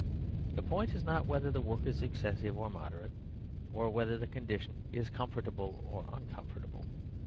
The point is not whether the work is excessive or moderate, or whether the condition is com fortable or uncomfortable.